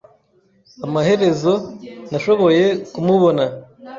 Amaherezo, nashoboye kumubona.